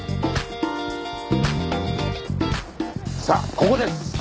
さあここです！